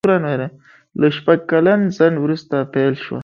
له شپږ کلن ځنډ وروسته پېل شوه.